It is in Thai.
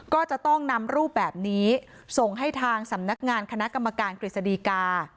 ก็จะต้องนำรูปแบบนี้ส่งให้ทางสำนักงานคณะกรรมการกฤษฎีกา